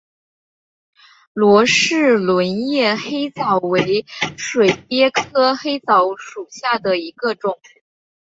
罗氏轮叶黑藻为水鳖科黑藻属下的一个种。